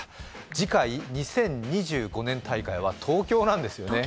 次回、２０２５年大会は東京なんですよね。